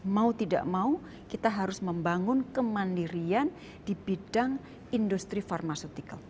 mau tidak mau kita harus membangun kemandirian di bidang industri pharmaceutical